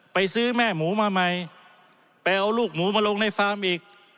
ไปซื้อแม่หมูมาใหม่ไปเอาลูกหมูมาลงในฟาร์มอีก